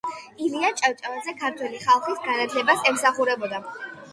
ილია ჭავჭავაძე ქართველი ხალხის განათლებას ემსახურებოდა.